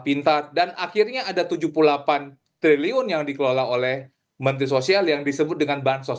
pintar dan akhirnya ada tujuh puluh delapan triliun yang dikelola oleh menteri sosial yang disebut dengan bansos